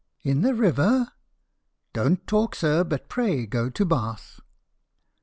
" In the river " Don't talk, sir, but pray go to bath !